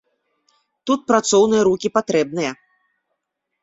Тут працоўныя рукі патрэбныя.